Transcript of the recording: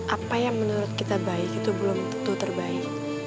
apa yang menurut kita baik itu belum tentu terbaik